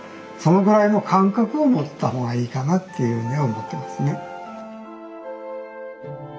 そのぐらいの感覚を持ってた方がいいかなっていうふうには思ってますね。